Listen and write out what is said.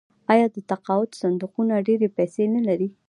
آیا د تقاعد صندوقونه ډیرې پیسې نلري؟